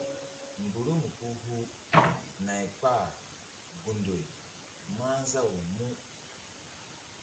Mgburum hu-hu nay kpahgun ndoy mah nzaw mu.